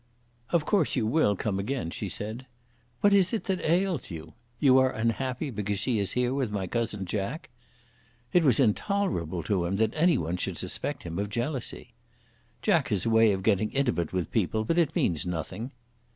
"Of course you will come again," she said. "What is it ails you? You are unhappy because she is here with my cousin Jack?" It was intolerable to him that any one should suspect him of jealousy. "Jack has a way of getting intimate with people, but it means nothing."